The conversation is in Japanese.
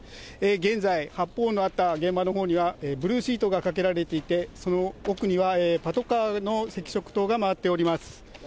現在、発砲音のあった現場のほうには、ブルーシートがかけられていて、その奥にはパトカーの赤色灯が回っております。